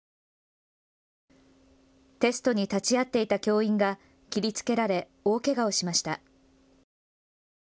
テストに立ち会っていた教員が切りつけられ大けがをしました。